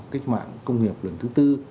cách mạng công nghiệp lần thứ tư